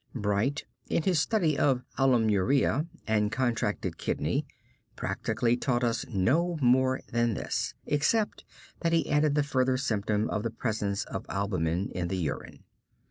Bright in his study of albuminuria and contracted kidney practically taught us no more than this, except that he added the further symptom of the presence of albumin in the urine.